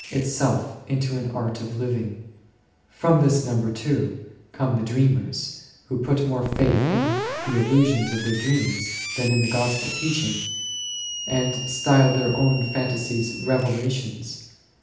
V. £ From this number, too, come the Dreamers, who put more faith in the illusions of their dreams 9 than in the Gospel teaching, and style their own phantasies "revelations."